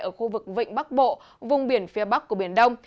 ở khu vực vịnh bắc bộ vùng biển phía bắc của biển đông